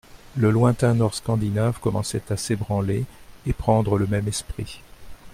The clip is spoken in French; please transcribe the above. Le lointain Nord Scandinave commençait à s'ébranler et prendre le même esprit.